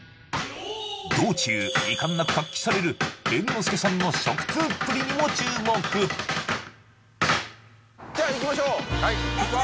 道中遺憾なく発揮される猿之助さんの食通っぷりにも注目じゃ行きましょう出発！